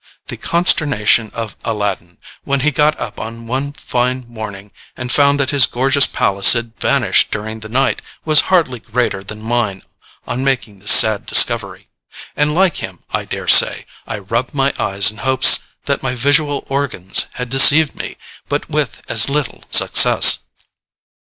The consternation of Alladin, when he got up one fine morning and found that his gorgeous palace had vanished during the night, was hardly greater than mine on making this sad discovery; and, like him, I daresay, I rubbed my eyes in hopes that my visual organs had deceived me, but with as little success.